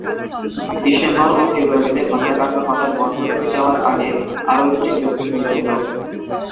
December ও ফেব্রুয়ারিতে হত্যাকাণ্ড হঠাৎ বন্ধ হওয়ার আগে আরও দুটি মৃত্যু হয়েছিল।